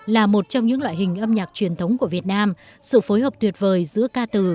là một trong những loại hình âm nhạc truyền thống của việt nam sự phối hợp tuyệt vời giữa ca từ